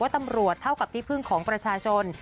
ตำรวจเท่ากับที่พึ่งของประชาชน